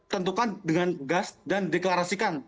tentukan dengan gas dan deklarasikan